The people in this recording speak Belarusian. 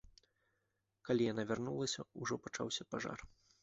Калі яна вярнулася, ужо пачаўся пажар.